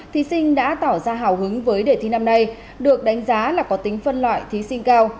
thí sinh đã tỏ ra hào hứng với đề thi năm nay được đánh giá là có tính phân loại thí sinh cao